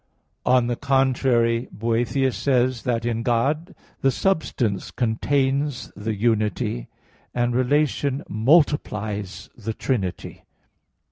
On the contrary, Boethius says (De Trin.) that in God "the substance contains the unity; and relation multiplies the trinity."